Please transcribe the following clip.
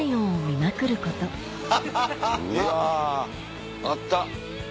うわ。あった。